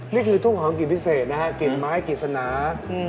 นี่คือทุ่งหอมกลิ่นพิเศษนะฮะกลิ่นไม้กฤษณา